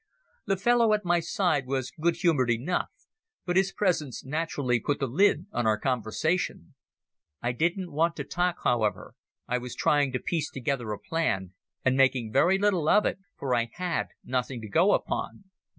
The fellow at my side was good humoured enough, but his presence naturally put the lid on our conversation. I didn't want to talk, however. I was trying to piece together a plan, and making very little of it, for I had nothing to go upon.